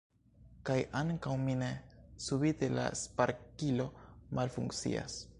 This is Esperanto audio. Kaj ankaŭ mi ne, subite la sparkilo malfunkcias.